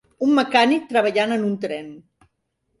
Un mecànic treballant en un tren.